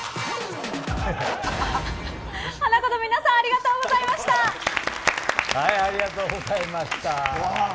ハナコの皆さんありがとうございました。